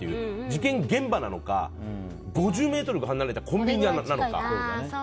事件現場なのか５０ｍぐらい離れたコンビニなのか。